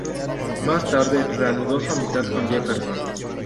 Más tarde reanudó su amistad con Jefferson.